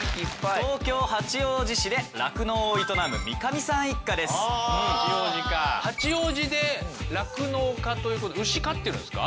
東京・八王子市で酪農を営む八王子で酪農家ということで牛飼ってるんですか？